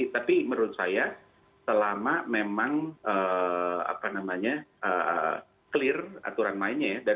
tapi menurut saya selama memang clear aturan mainnya ya